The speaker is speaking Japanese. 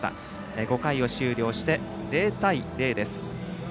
５回を終了して、０対０です。